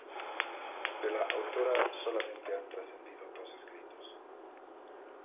De la autora solamente han trascendido dos escritos.